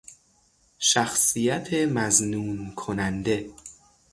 شخصیت مظنون کننده